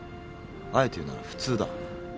あえて言うなら普通だ。